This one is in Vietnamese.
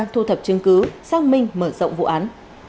thu thập chứng cứ xác minh mở rộng vụ án